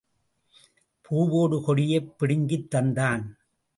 பூவோடு கொடியைப் பிடுங்கித் தந்தான்.